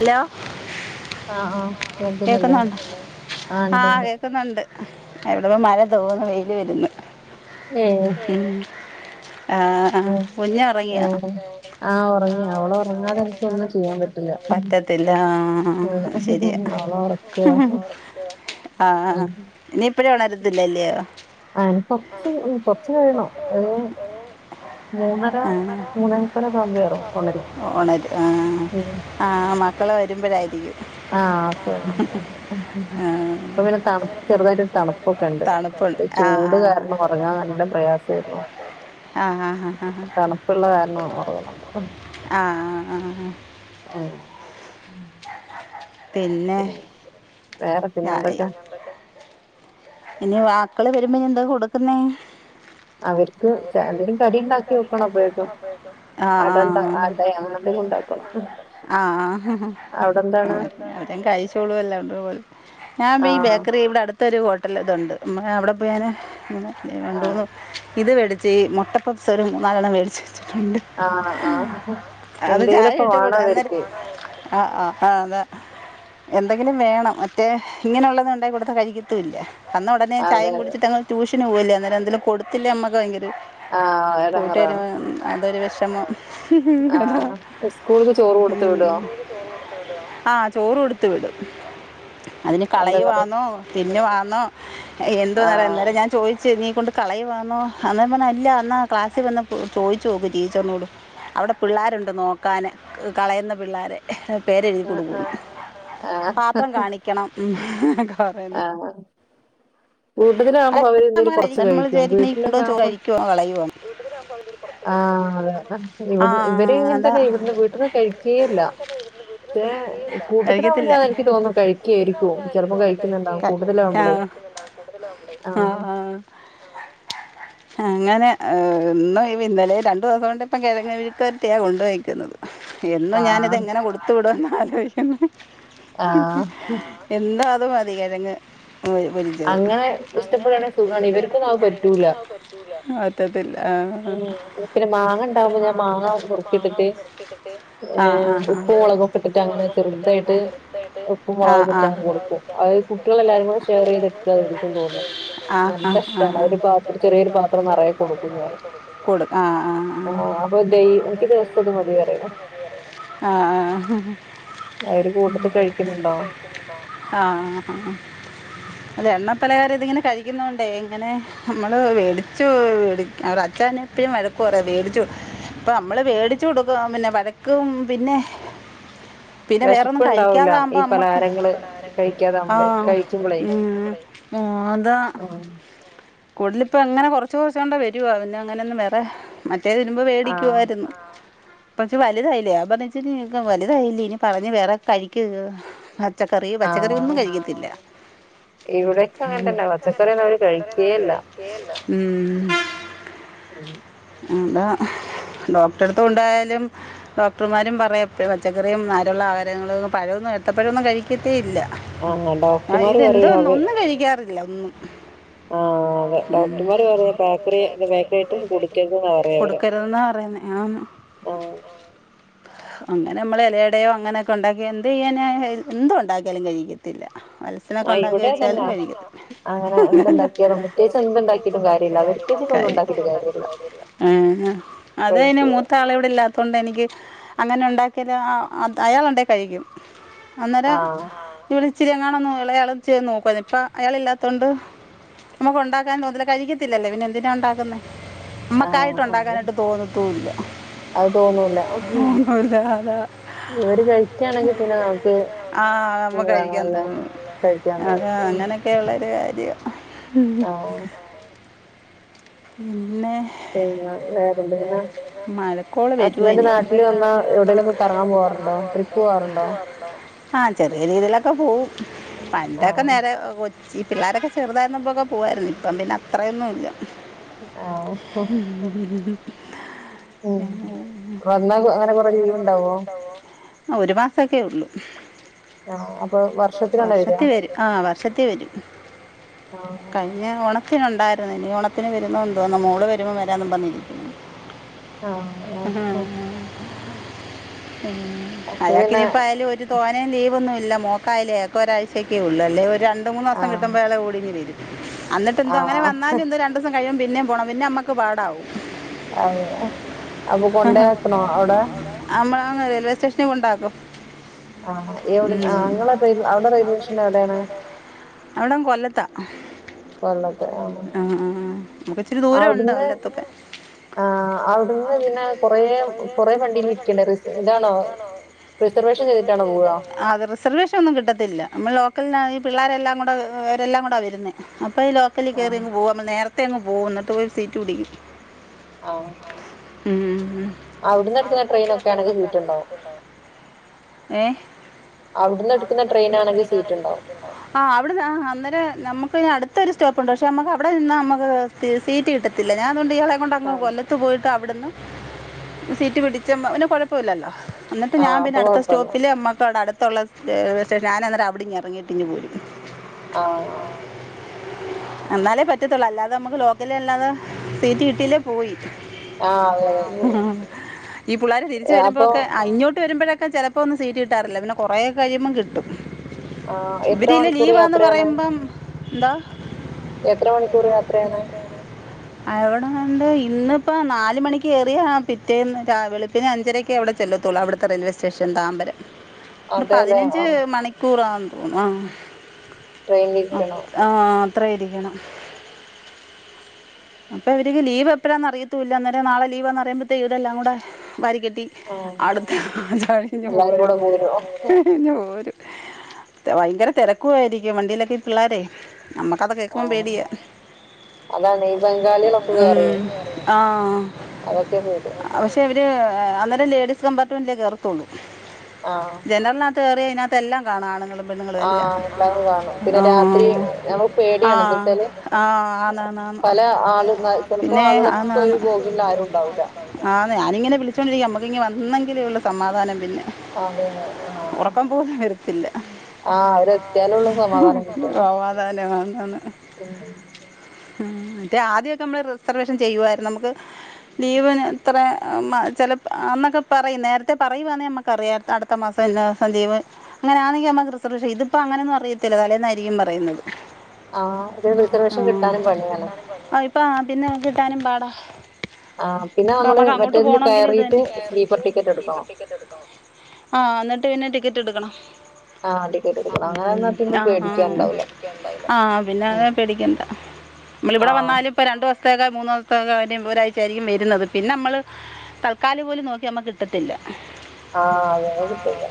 Hello. ആഹ് ആഹ് കേക്കുന്നില്ലെ. ആഹ് ഇണ്ട്ണ്ട്. വക്കുന്നുണ്ട്. എവിടുപ്പം മഴ തോര്ന്നു വെയ്ൽ വര്ന്ന്‌. ന്നേ. ഉം ആഹ് ആഹ് ഒറങ്ങി. അവള് ഒറങ്ങാതെ എനിക്ക് ഒന്നും ചെയ്യാൻ പറ്റില്ല ഉം. ത്തില്ലാ ശര്യ. അവളെ ഉറക്കിയതാ ഉം ആഹ് ഇനിയിപ്പഴ ഒണരത്തില്ലല്യാേ. ആൺ കൊറ്ച്ച് കൊറച്ചു കഴിയണോ. ഹ് മൂന്നര മൂന്നേ മുക്കാല് ആ കുമ്പഴ ഒണരും. ഓണര്. ആ ആ മക്കളെ വരുമ്പോഴായിരിക്കും. ആഹ് അപ്പഴ് ആ, [unintelligible] പിന്നെ തണു ചെറുതായിട്ട് തണുപ്പൊക്കെ ഇണ്ട്. തണുപ്പുണ്ട് ആ ചൂട് കാരണം ഒറങ്ങാൻ നല്ല പ്രയാസേരുന്നു. ആ ആ ആ ആ തണുപ്പുള്ള കാര്ണം ഉറങ്ങുന്ന്ണ്ട് ആഹ് ആഹ് ആഹ് ഓ പിന്നെ. വേറെ പിന്നെ ആ, എന്തൊക്കെ ഇനി വാക്കള് വരുമ്പോ എന്താ കൊടുക്ക്ന്നെ അവർക്ക് അവര്ക്ക് ചെ എന്തെങ്കിലും കടി ചായക്ക് ഉണ്ടാക്കി വെക്കണം എന്തെങ്കിലും അപ്പോഴേക്കും. ഇണ്ടാക്കി അട ഉണ്ടാ കൊടുക്കണം. അട അങ്ങനെ ആഹ് എന്തെങ്കിലും ഉണ്ടാക്കണം. ആഹ് ആഹ് [unintelligible] അവിടെ എന്താണ്? കഴിച്ചോളും ല്ലാണ്ട് പോല. ഞാൻ ബി ആഹ് ബേക്കറി ഇവിടെ അട് ത്തരു ഹോട്ടൽ ഇതുണ്ട് മ അവിടെ പോയി ഞാൻ രണ്ടൂ ആഹ് മുന്ന് ഇത് വേടിച്ച് മുട്ട പപ്പ്സ് ഒര് മൂന്നാലെണ്ണം വേടിച്ച് വെച്ചിട്ടുണ്ട്. ആഹ് ആഹ് അത് ചായ എന്തേലൊക്കെ ഇട്ട് വേണം കൊട് അന്നേരം. അവർക്ക്. ആഹ് ആഹ് ആഹ് അതാ. എന്തെങ്കിലും വേണം. മറ്റേ ഇങ്ങനെള്ളത് ഉണ്ടായി കൊടുത്താ കഴിക്കത്തുല്ല. വന്ന ഉടനെ അതെ ചായേം അതെ കുടിച്ചിട്ട് ങ്ങ് ട്യൂഷന് പോവല്ലേ അന്നേരം എന്തെലും കൊടുത്തിലെങ്കി നമ്മക്ക് ഭയങ്കര ആഹ് പോയിട്ട് എടങ്ങേറാണ്. വരുമ്പോ അതൊരു വെഷമം. ആഹ് ഉസ്കൂള്ക്ക് ചോറ് കൊട്ത്ത് വിടോ? ആഹ് ചോറ് കൊട്ത്തു വിടും. അതിന് എന്താ കറി? കളയുവാന്നോ തിന്നുവാന്നോ എന്തോന്ന ആഹ് അന്നേരം ഞാൻ ചോയ്ച്ച് നീ കൊണ്ട് കളയ് വാന്നോ അന്നേരം പർഞ് അല്ല ന്നാ ക്ലാസ്സ്ൽ വന്ന് ചോയിച്ചു നോക്ക് ടീച്ചറ്നോട്? അവിടെ പിള്ളേരുണ്ട് നോക്കാൻ കളയുന്ന പിള്ളാരെ?. പേരെഴ്തി ആഹ് കൊടുക്കും ആഹ് ആഹ് പാത്രം കാണിക്കണം ഉം ഉം പറ ആഹ് കൂട്ടത്തിലാകുമ്പോ അവര് എന്തേലും കൊറച്ച് കഴിക്കും. വീട്ടിലൊക്കെ ആകുമ്പ റ്റവും അവന് കളയുവാണ്. [unintelligible] ആഹ് അതെ എ ഇവിടു ഇവര് ആ ഇങ്ങന് അതാ തന്നെ ഇവിട്ന്ന് വീട്ട്ന്ന് കഴിക്കേയില്ല. മറ്റേ കൂട്ടത്തിലാവുമ്പോൾ കഴിക്കത്തില്ല ഞാൻ എനിക്ക് തോന്നും കഴിക്കായിരിക്കും. ചിലപ്പോം കഴിക്കുന്നുണ്ടാവും കൂട്ടത്തിലാകുമ്പോളേ ആഹ് ആഹാ. അങ്ങനെ ഒന്നും ഈ ഇന്നലെ രണ്ടു ദിവസം കൊണ്ട് ഇപ്പം കിഴങ്ങ് മെഴുക്കുപുരട്ടിയാണ് കൊണ്ടോയെക്കുന്നത്. എന്നും ആ ഞാാന്തെങ്ങനെ കൊട്ത്തു വിടുന്നു. ആ [unintelligible] എന്നാ അതുമതി കിഴങ്ങ് പൊ പൊരിച്ചത്. ഇങ്ങനെ ഇഷ്ടപ്പെടണെങ്കി സുഖകണ് ഇവർക്കൊന്നു അത് പറ്റൂല്ല. പറ്റത്തില്ല അഹ് പിന്നെ മാങ്ങ ആ ഉണ്ടാവുമ്പോ ഞാൻ മാങ്ങ ഹ് മുറുക്കിയിട്ടിട്ട് ആഹ ഏഹ് ആഹ് ഉപ്പും മുളകും ഒക്കെ ഇട്ടിട്ട് ആഹ് അങ്ങനെ ചെറുതായിട്ട് [unintelligible] ഉപ്പും ആഹ് മുളകൊക്കെ ഇട്ടിട്ട് അങ്ങനെ കൊടുക്കും ആഹ്. അത് കുട്ടികൾ എല്ലാരും കൂടെ ഷെയറയ്ത് യിരിക്കും തോന്നുന്നു ആ ആ ആ നല്ലഷ്ടാണ് ആ അവരു പാത്രം ചെറിയൊരു പാത്രം നറയെ കൊടുക്കും ഞാൻ. കൊടു ആഹ് ആ ആഹ്. അപ്പൊ ദൈ എനിക്ക് ദിവസം അത് മതി പറയും ആഹ് ആഹ്. അവര് കൂട്ടത്തിൽ കഴിക്കുന്ന്ണ്ടാവും. ആഹ് ഹാ [unintelligible] അല്ല എണ്ണപ്പലഹാരം ഇതിങ്ങനെ കഴിക്കുന്നോണ്ടേ ഇങ്ങനെ നമ്മള് വേടിച്ചു വേടി അവ്ടെ അച്ചൻ എപ്പഴും വഴക്ക് പറയും വേടിച്ചു പ്പ നമ്മള് വേടിച്ചു കൊടുക്കുക പിന്നെ വഴക്കും പിന്നെ പിന്നെ വേറൊന്നും വിശപ്പുണ്ടാവൂല ഈ കഴിക്കൃതാവുമ്പം നമ്മക്ക് പലഹാരങ്ങള് കഴിക്കാതെ നമ്മള് ആഹ് കഴിക്കുമ്പളേ ഉം. അ് അതാ. കൂട്തലിപ്പ എങ്ങനെ കെറ്ച്ചു കൊറ്ച്ചാണ്ട് വരുവാ പിന്നെ അങ്ങനെന്നും വേറെ മറ്റേത് ഇടുമ്പം ആ വേടിക്കുവായിരുന്നു. പച്ചേ വലുതായില്ലേ [unintelligible] വലുതായില്ലേ ഇനി പറഞ്ഞ് വേറെ കഴിക്ക പച്ചക്കറി പച്ചക്കറിയൊന്നും കഴിക്കത്തില്ല. ഇവിടക്കെ അങ്ങനത്തന്നാ പച്ചക്കറി ഒന്നും അവര് കഴിക്കേയില്ല. ഉം. ഉം ഉം ആതാ ഡോക്ടറെടുത്തു കൊണ്ടായാലും ഡോക്ടർമാരും പറയു പച്ചക്കറിയും, നാരുള്ള ആഹാരങ്ങളും പഴമൊന്നും എടുത്തപ്പഴമൊന്നും കഴിക്കത്തേ ഇല്ല. ആ ആ ഡോക്ടർമാര് ഇതെന്തോ പറയു അവ ഒന്നും കഴിക്കാറില്ല ഒന്നും ആഹ് ബേക്കറി ഐറ്റംസ് കൊടുക്കരുതെന്നാ പറയാ അവര് കൊടുക്കരുതെന്നാ പറയുന്നെ ആന്ന് ആ ഓഹ് അങ്ങനെ അമ്മൾ ഇലയടയോ അങ്ങനൊക്കെ ഉണ്ടാക്കി എന്തെയ്യാനാ എന്തു ഉണ്ടാക്കിയാലും കയിക്കത്തില്ല വൽസനൊക്കെ ആ ഉണ്ടാക്കി ഇവിടെ വെച്ചാലും അതന്നാ കഴിക്കില്ല അങ്ങനെ ഓഹ് എന്തുണ്ടാക്കിയാലും പ്രത്യേകിച്ച് കുട്ട്യോക്ക് എന്തുണ്ടാക്കിയിട്ടും എന്ത്ണ്ടാക്കിട്ട് കാര്യല്ല അവർക്ക് വെച്ചിട്ട് കാര്യമില്ല ഉണ്ടാക്കിയിട്ട് ഒന്നും ഉണ്ടാക്കിട്ട് കാര്യല്ല കാര്യമില്ല ആഹ് അതയ്ന് മൂ കഴിക്കൂല താളെ ഇവിടെ ഇല്ലാത്തൊണ്ട് എനിക്ക് അങ്ങനെ ഉണ്ടാക്കിയ അയാളുണ്ടെ കഴിക്കും ആ അന്നേരം ഇവളിച്ചിരി എങ്ങാണം ഇളയാളും ചെയ്ത് നോക്കുവ ഇപ്പം അയാളില്ലാത്തോണ്ട് നമുക്ക് ഉണ്ടാക്കാൻ മുതല കഴിക്കത്തില്ലല്ലേ പിന്നെ എന്തിനാ ഉണ്ടാക്കുന്നെ ആ അമ്മക്കായിട്ട് ഉണ്ടാക്കാനായിട്ട് തോന്നത്തൂല്ല അത് തോന്നൂല ആ അതാ അതാ ഓര് ഇവര് കഴിക്കാനെങ്കിൽ കഴിക്കാണെങ്കി പിന്നെ നമുക്ക് പിന്നെ ആ നമ്മക്കഴിക്കാൻ അതാണല്ലേ തോന്നും കഴിക്കാൻ അതെ തോന്നും അങ്ങനെയൊക്കെയുള്ളൊരു കാര്യാ ആഹ് ഉം പിന്നെ പിന്നെ വേറെന്തേന മഴക്കോള് ഹസ്ബൻഡ് വരുവെനി നാട്ടില് ഹസ്ബൻ്റ് നാട്ടിൽ വന്നാ എവിടേലൊക്കെ കറങ്ങാൻ പോവാറുണ്ടോ? ട്രിപ്പ് പോവാറുണ്ടോ? ആഹ് ചെറിയ രീതിയിലൊക്കെ പോവും പണ്ടൊക്കെ ആഹ് നേരെ കൊച്ചി പിള്ളോരൊക്കെ ചെറുതായിരുന്നപ്പൊക്കെ പോവായിരുന്നു ഇപ്പം പിന്നെ അത്രയൊന്നുല്ല ആഹ് നല്ലത് ഉം വന്നാ അങ്ങനെ കൊറെ ലീവുണ്ടാവോ? ആ ഒരു മാസൊക്കെ ഉള്ളു ആഹ് അപ്പൊ വർഷത്തിലാണോ വരാ വർഷത്തിൽ വരും ആഹ് വർഷത്തിൽ വരും ആഹ് കഴിഞ്ഞ ഓണത്തിനൊണ്ടായിരുന്നു ഇനി ഓണ ത്തിന് വരുന്നോ എന്തോ മോള് വരുമ്പോ വരാന്ന് പറഞ്ഞിരിക്കുവ ആ ആഹ് ഉം അപ്പൊ അയാക്ക് പിന്നെ ഇനിപ്പോ അയാലും ഒരു തോനേ ലീവൊന്നുല്ല മോക്കായാലും ഏക്ക് ഒരാഴ്ച്ചക്കേ ഉള്ളൂ അല്ലേ ഒരു രണ്ട് രണ്ട് മൂന്ന് മാസം ആഹ് കിട്ടുമ്പോ അയാൾ ഓടി ഇങ്ങ് വരും അന്നിട്ടെന്തോ അങ്ങനെ ആഹ് വന്നാലും ര ദിവസം കഴിയുബോ പിന്നേം പോണം പിന്നെം അമ്മക്ക് പാടാവും അതെ അപ്പൊ കൊണ്ടേയാക്കണോ അവടെ അമ്മളങ്ങ് റെയിൽവേ സ്റ്റേഷനിൽ കൊണ്ടാക്കും ആ എവിടെ ആ ഉം. ഇങ്ങളെ റെയിൽ അവിടെ റെയിൽവേ സ്റ്റേഷൻ എവിടെണ് അവിടം കൊല്ലത്താ കൊല്ലത്ത് ആഹ് നമുക്കിച്ചിരി ദൂരം ഉണ്ട് അവിടുന്ന് കൊല്ലത്തൊക്കെ ആഹ് അവിടുന്ന് പിന്നെ കൊറെ കൊറെ വണ്ടിൽ ഇരിക്കണ്ടെ റി ഇതാണോ റിസർവേഷൻ ചെയ്തിട്ടാണോ പോവാ പോവുക? അത് റിസർവേഷൻ ഒന്നും കിട്ടത്തില്ല അമ്മൾ ലോക്കലിനാ ഈ പിള്ളേരെല്ലാം കൂടെ അവരെല്ലാകൂടാ വരുന്നെ അപ്പൊ ഈ ലോക്കലി ആഹ് കയറിങ്ങ് പോകും അപ്പോ നേരത്തെ അങ്ങ് പോകും എന്നിട്ട് പോയി സീറ്റ് പിടിക്കും ആഹ് ഉം അവിടുന്നെടുക്കുന്ന ട്രെയിനൊക്കെണെങ്ക് സീറ്റുണ്ടാവും ഏഹ് അവിടുന്ന് എടുക്കുന്ന ട്രെയിൻ ആണെങ്കിൽ സീറ്റുണ്ടാകും ആഹ് അവിടുന്ന് ആ അന്നേരം ഞമുക്ക് അടുത്ത ഒരു സ്റ്റോപ്പുണ്ട് പക്ഷെ നമുക്ക് അവിടെ നിന്നാ അമ്മക്ക് സീറ്റ് കിട്ടത്തില്ല ഞാൻ അതോണ്ട് ഇയാളെ കൊണ്ടങ്ങ് ആഹ് കൊല്ലത്ത് ത്ത് പോയിട്ട് അവിടുന്ന് സീറ്റ് പിടിച്ച പിന്നെ കൊഴപ്പൊല്ലല്ലോ എന്നിട്ട് ഞാൻ ആഹ് പിന്നെ അപ്പൊ അടുത്ത കൊഴപ്പല്ല സ്റ്റോപ്പില് അമ്മക്കവിടെ അടുത്തുള്ള റേയിൽവെ സ്റ്റേഷൻ ഞാനന്നേരം അവിടിന്നറങ്ങിട്ടിങ്ങ് പോരും ഓഹ് എന്നാലേ പറ്റത്തുള്ളൂ അല്ലാതെ അമുക്ക് ലോക്കലിലല്ലാതെ സീറ്റ് കിട്ടിയില്ലെ പോയി ആഹ് അതെ ആ അതെ ഈ പുള്ളാര് തിരിച്ച് ഏഹ് അപ്പൊ വരുമ്പോഴൊക്കെ അ ഇങ്ങോട്ട് വരുമ്പോഴൊക്കെ ചില പ്പൊന്നും സീറ്റ് കിട്ടാറില്ല പിന്നെ കൊറേ കഴിയുമ്പം കിട്ടും. ആഹ് എത്ര ഇവിരീല് മണിക്കൂർ ലീവാന്ന് യാത്രയാണ് പറയുമ്പം ന്താ? എത്ര മണിക്കൂർയാ [unintelligible] അവ്ടെണ്ട് ഇന്ന്പ്പോ നാല് മണിക്കേറിയ പിറ്റേന്ന് രാ വെളുപ്പിന ഞ്ചരയ്ക്കെ വിടെ ല്ലെത്തൊള്ളൂ അവിടുത്തെ റെയിൽവേ സ്റ്റേഷൻ താമ്പരം ട് അതെല്ലേ പതിനഞ്ച് ആഹ് മണി കൂറാം അം. ട്രെയിൻലിരിക്കണോ? ആഹ് അത്രെ ഇരിക്കണം. അപ്പോ അവര്ക്ക് ലീവ് എപ്പഴാന്ന് അറിയത്തൂല്ല അന്നേരം നാളെ ലീവാന്ന് അറിയുമ്പഴത്തേ വരെല്ലാം കൂടെ വാരിക്കെട്ടി. ആഹ് അടുത്ത ആചാങ്ങ് എല്ലാരും പോരും കൂടെ പോരോ ഇങ്ങ് പോരും. ഭയങ്കര തിരക്കുവായിരിക്കും വണ്ടീലൊക്കെ ഇപിള്ളോരേ നമ്മുക്കത് കേക്കുമ്പോം ആഹ് പേടിയാ. അതാണ് ഈ ബംഗാളികളൊക്കെ കേറുവേ ഉം ആഹ്. അതൊക്കെ പേടി പക്ഷേ ഇവര് അന്നേരം ലേഡീസ് കമ്പാർട്ട്മെന്റിലേ കേറത്തുള്ളൂ. ആഹ് ജനറിനാത് കേറിയ പിന്ന എല്ലാം കാണാം ആണുങ്ങളും പെണ്ണുങ്ങളും എല്ലാം ആഹ് കാണും പിന്നെ രാത്രി ആഹ് നമുക്ക് പേടിയാണ് എന്താ ആഹ് വെച്ചാല് ആ. ആഹ് ആന്നാന്നാ ന്നാണ് പല ആള് ന- ചിലപ്പോ പിന്നെ ആണ് ആളുകളൊക്കെ ആണ്. ഒരു ഗോഗിളിൽ ആരും ഉണ്ടാവൂല ആഹ് ന്ന് ഞാനിങ്ങനെ വിളിച്ചോണ്ടിരിക്കാം നമ്മുക്ക് ഇങ്ങ് വന്നെങ്കിലേ ഉള്ളു സമാധാനം പിന്നെ. അതെ അതെ ആഹ് ഉറക്കം പോകും വരത്തില്ല. ആഹ് അവരെത്തിയാലുള്ളൂ ആഹ് സമാധാനം കിട്ടുക സമാദാനം വന്നന്ന്. ഉം ഉം മറ്റേ ആദ്യമൊക്കെ നമ്മള് റിസർവേഷൻ ചെയ്യുവായിരുന്നു നമുക്ക്. ലീവിന് ഇത്രെ അം മ ചെല അന്നൊക്കെ പറയും നേരത്തെ പറയുവാന്നെ റിയാത്ത അടുത്ത മാസം എല്ലാർക്കും ലീവ്. അങ്ങനെ ആണെങ്കിൽ നമ്മക്ക് റിസർവ് ചെയ്ത് ഇതിപ്പോ അങ്ങനെന്നും അറീയത്തില്ല തലേന്നായിരിക്കും പറയുന്നത്. ആഹ് ഇ റിസർവേഷൻ കിട്ടാനും പണിയാണ്. പാഹ് പിന്നെ ത് കിട്ടാനും പാടാ. ആഹ് പിന്നെ അപ്പ നമ്മള് നമ്മക്ക് അങ്ങോട്ട് മറ്റേതില് പോണെങ്കിലും ഇത് കയറിയിട്ട് തന്നെ സ്ലീപ്പർ കയറീട്ട് ടിക്കറ്റ് സ്ലീപർ എടുക്കണം ടിക്കറ്റ് എടുത്തോ? ആഹ് അന്നിട്ട് പിന്നെ ടിക്കറ്റ് എടുക്കണം. ആഹ് ടിക്കറ്റ് എടുക്കണം അങ്ങനെ എന്നാ പിന്നെ അം പേടിക്കാണ്ടാവൂല ആഹ് പിന്നെ ഉം അത് പേടിക്കേണ്ട. മ്മൾ ഇവിടെ ആഹ് വന്നാലും ഇപ്പ രണ്ടു വസത്തേക്ക മൂന്ന് ദിവസത്തേക്ക ഒരാഴ്ച ആയിരിക്കും വരുന്നത് പിന്നെമ്മള്. തൽക്കാലി പോലും നോക്കിയാ മ്മക്ക് കിട്ടത്തില്ല. ആഹ് അതെ അത് കിട്ടിയില്ല.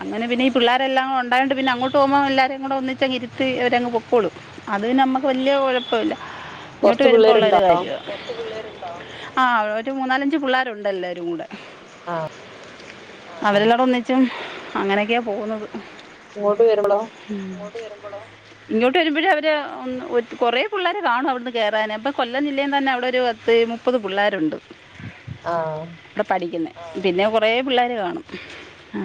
അങ്ങനെ പിന്നെ ഈ പിള്ളേരെല്ലാം ഒണ്ടായോണ്ട് പിന്നങ്ങോട്ട്‌ പോകുമ്പോൾ എല്ലാരേം കൂടെ ഒന്നിച്ചങ് ഇരിത്തി അവരങ് പൊക്കോളും അത് പിന്നെ നമ്മക്ക് വല്യേ കൊഴപ്പവില്ല ഇങ്ങോട്ട് കൊറച്ച് വരുമ്പോൾ ഉള്ളൊരു പിള്ളേരുണ്ടാവും കാര്യാണ് കൊറച്ച് പിള്ളേരുണ്ടോ ആഹ് ഒരു മൂന്നാലഞ്ച് പിള്ളേരുണ്ടെല്ലാരും കൂടെ ആഹ് അവരെല്ലാടോം ഒന്നിച്ചും അങ്ങനെയൊക്കെയാ പോകുന്നത്. ഇങ്ങോട്ട് വരുമ്പള്ളോ? ഇങ്ങോട്ട് വരുമ്പോഴ് അവര് ഒന്ന് ഒരു കൊറേ പുള്ളേര് കാണും അവിടുന്ന് കേറാന് അപ്പം കൊല്ലം ജില്ലയിൽ തന്നെ അവിടെ ഒരു പത്ത് മുപ്പത് പുള്ളാരുണ്ട്. ആഹ് പ്പ പഠിക്കുന്നെ ആഹ് പിന്നെ കൊറേ പിള്ളേര് കാണും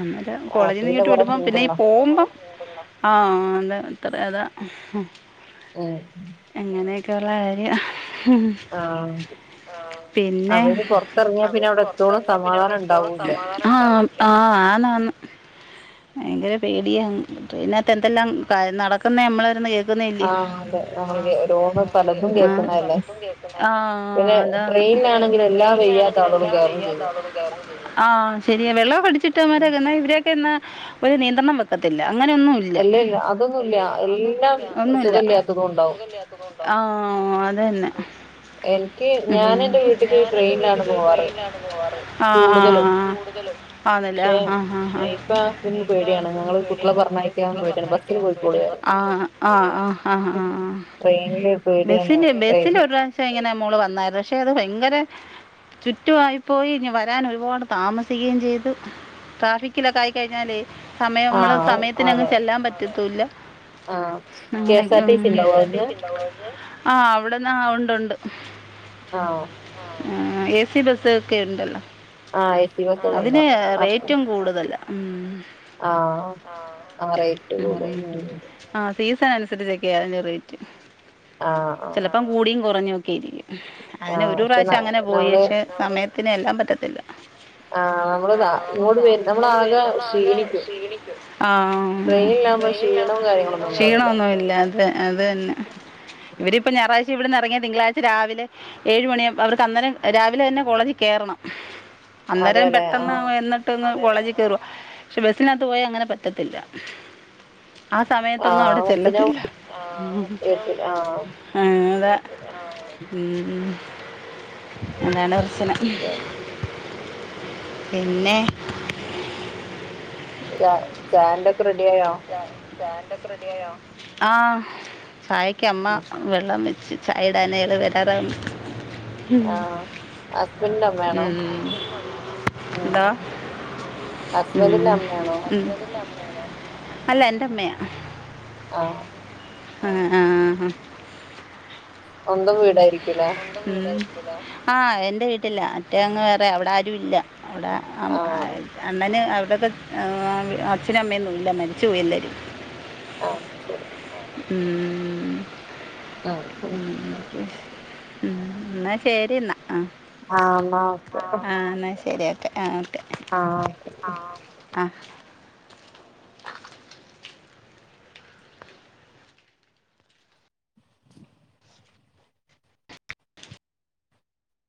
അങ്ങനെ ആഹ് കോളേജിന്ന് പിന്നെ ഇങ്ങട്ട് കൊറേ വിടുമ്പോ പിന്നെ ഈ ഉണ്ടല്ലോ പോകുമ്പോം ആഹ് തദ് അതാ. ഏഹ് അങ്ങനെയൊക്കെയുള്ള കാര്യം ആഹ് പിന്നെ അവന് പൊറത്തെറങ്ങിയാ പിന്നെ അവിടെ എത്തോളം സമാധാനം ഇണ്ടാവൂല്ല. ആഹ് ആഹ് ആന്നാന്ന് ഭയങ്കര പേടിയാണ് ട്രെയിനകത്ത് എന്തെല്ലാം ക നടക്കുന്നെ നമ്മള്ര്ന്ന് കേ ആഹ് അതെ ആഹ് നമ്മള് അതെ ഓരോന്ന് പലതും നമ്മള് ആഹ് കേൾക്കുന്നതല്ലേ പലപ്പോഴും കേക്ക്ന്ന ആഹ് പിന്നെ അതാണ് ട്രെയിനിലാണെങ്കിൽ എല്ലാ ട്രയ്നാണ് വയ്യാത്ത ആളുകളും തിലെല്ലാം കയറും വയ്യാത്ത ചെയ്യും ആളും കൂടി ആവും ചെയ്യ ആഹ് ശരിയാ വെള്ള പിടിച്ചിട്ടവമാരെ എന്നാ ഇവരെ ട്ടെന്നാ ഒരു നിയന്ത്രണം വെക്കത്തില്ല അങ്ങനെയൊന്നു ല്ല അല്ലല്ല അതൊന്നുമില്ല അല്ലല്ല എല്ലാം അതൊന്നുല്ല ഒന്നുല്ല സുഖമില്ലാത്തതും ഉണ്ടാവും സുഖല്ലാത്തതുകൊണ്ടോ ആഹ് അതെന്നെ എനിക്ക് ഞാൻ എന്റെ ടെന്റെ വീട്ടിക്ക് ഞാനെന്റെ ട്രെയിനിലാണ് വീട്ട്ക്ക് പോവാറ് ട്രെയിൻ ലാണ് പോവാറ് ആഹ് കൂടുതലും ആഹ് ആഹ് കൂടുതലും ആണല്ലേ പക്ഷെ ആഹ് ആഹ് ആഹ് ആഹ് ഇപ്പ ഹസ്ബൻഡിന് ഇപ്പ പേടിയാണ് ഇതില് ഞങ്ങള് കുട്ടികളെ പേടിയാണ് ഞങ്ങള് കു പറഞ്ഞയക്കാൻ ട്ട്യളെ പേടിയാണ് ബസ്സിന് പറഞ്ഞയക്കാൻ പോയിക്കോളി പേടിയാണ് പറയും ആഹ് ആഹ് ആഹ് ആഹ് ആഹ് ട്രെയിനില് പേടിയാണ് ട്രെയി പക്ഷെ ഇങ്ങനെമോള് വന്നായിരുന്നു പക്ഷെ അത് ഭയങ്കരെ ചുറ്റു ആയിപ്പോയി ഇഞ്ഞ് വരാൻ ഒരുപാട് താമസിക്കേം ചെയ്തു ട്രഫിക്കിലൊക്കെ ആയി കഴിഞ്ഞാല്ലേ സമയം നമ്മള് ആഹ് സമയത്തിനങ്ങ് അതെ ചെല്ലാൻ പറ്റത്തുല്ല ആഹ് കെ അങ്ങനായി എസ് ആർ ഉം ടി സി കെ ഉണ്ടാവോ എസ് ആർ ടി അവിടുന്ന് സി ഇണ്ടാവോ അവ്ടെന്ന് ആഹ് അവിടെന്ന് ആ ഉണ്ടുണ്ട് ആഹ് ആഹ് ഏഹ് ഏസിബസ്സ് ഒക്കെ ഇണ്ടല്ലോ ആഹ് എ സി ആഹ് ബസ്സൊക്കെ അതിന് ഉണ്ടാവും അപ്പൊ റേറ്റും കൂടുതലാ ഉം ആഹ് ഓഹ് ആ റേറ്റ് കൂടും ഉം ആഹ് സീസൺ അനുസരിച്ചൊക്കെ അയിന്റ റേറ്റ് ആഹ് ആഹ് ചിലപ്പം കൂടിയും കുറഞ്ഞൊക്കെ ഇരിക്കും അതിന് ആഹ് ഒരു പക്ഷെ പ്രാവശ്യം അങ്ങനെ പോയി നമ്മള് പക്ഷെ സമയത്തിന് എത്താൻ പറ്റത്തില്ല നമ്മള് ആഹ് ആഹ് ഇങ്ങോട്ട് നമ്മള്താ വ ഇങ്ങോട്ട് വരു നമ്മളാകെ നമ്മളാകെ ക്ഷീണിക്കും ക്ഷീണിക്കും ആഹ് ട്രെയിനിലാകുമ്പോ ട്രെയി യിനാകുമ്പോ ക്ഷീണവും ക്ഷീണൊന്നും കാര്യങ്ങളൊന്നും ഉണ്ടാവൂല്ല ക്ഷീണമൊന്നും ഇല്ലാതെ അതെ അത് തന്നെ ഇവരിപ്പോ ഞായറാഴ്ച ഇവിടന്ന് ഇറങ്ങിയാ തിങ്കളാഴ്ച രാവിലെ ഏഴ് മണിയാവും അവർക്ക് അന്നേരം രാവിലെ തന്നെ കോളേജിൽ കേറണം അന്നേരം അതെല്ലെ ആഹ് പെട്ടെന്നാവയന്ന് ട്ടെന്ന് കോളേജി കേറും. പക്ഷെ ബസ്സിനകത്ത് പോയാ അങ്ങനെ പറ്റത്തില്ല. ആ സമയത്തൊന്നും ആഹ് അവിടെ കൊറച്ചിന ചെല്ലത്തില്ല. ആഹ് ഹാ അതെ. ഉം അല്ലാണ്ട് പ്രശ്നല്ല പിന്നേ ചാ ചായേന്റെക്കെ റെഡിയായോ? ആഹ് ചായക്ക് അമ്മ വെ ള്ളം വെച്ച് ചായേടാനായി വരാറാവുമ്മെ ആഹ് ഹസ്ബൻഡിന്റെ അമ്മയാണോ ഉം ഉം എന്താ ഉം ഹസ്ബൻഡിന്റെ അമ്മയാണോ ഉം അല്ല എന്റെമ്മയ ആഹ് ആഹ് ആഹ് ഹാ സ്വന്തം വീടായിരിക്കൂല്ലെ ആഹ് എന്റെ വീട്ടിലാ. മറ്റേ അങ്ങ് വേറെയാ അവിടെ ആരുല്ല. അവിടെ അം അ ആഹ് അണ്ണന് അവിടെയൊക്കെ അച്ഛനും അമ്മയൊന്നുല്ല മരിച്ചു പോയി എല്ലാരും. ആഹ് ശരി ഉം ആഹ് ഉം എന്നാ ശരി എന്നാ. ആഹ് ആഹ് എന്നാ ഓക്കെ ആഹ് എന്നാ ശരി. ഓക്കെ ആഹ് ഓക്കേ ആഹ് ആഹ്